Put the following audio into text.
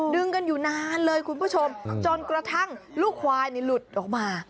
ดึงกันอยู่นานเลยคุณผู้ชมจนกระทั่งลูกควายนี่หลุดออกมา